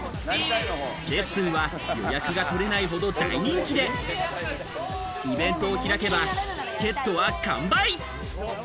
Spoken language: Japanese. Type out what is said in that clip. レッスンは予約が取れないほど大人気で、イベントを開けばチケットは完売。